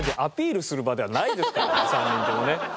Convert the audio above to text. ３人ともね。